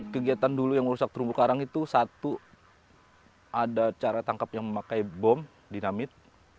kegiatan dulu yang merusak terumbu karang itu satu ada cara tangkap yang memakai bom dinamit